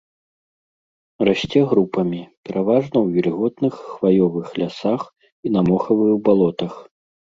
Расце групамі, пераважна ў вільготных хваёвых лясах і на мохавых балотах.